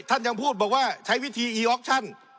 ท่านยังพูดบอกว่าใช้วิธีอีออกชั่น